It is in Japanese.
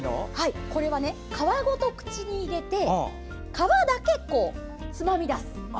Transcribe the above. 皮ごと口に入れて皮だけつまみ出す。